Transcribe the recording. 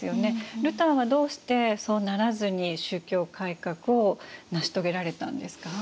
ルターはどうしてそうならずに宗教改革を成し遂げられたんですか？